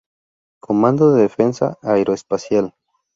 Comando de Defensa Aeroespacial.